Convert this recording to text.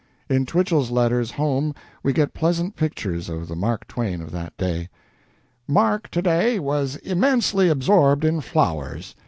In Twichell's letters home we get pleasant pictures of the Mark Twain of that day: "Mark, to day, was immensely absorbed in flowers.